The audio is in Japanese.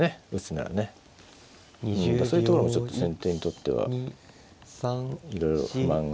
だからそういうところもちょっと先手にとってはいろいろ不満があった点ですよね。